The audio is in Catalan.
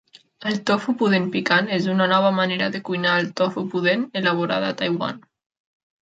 El tofu pudent picant és una nova manera de cuinar el tofu pudent elaborada a Taiwan.